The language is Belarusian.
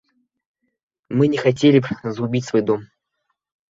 Мы не хацелі б згубіць свой дом.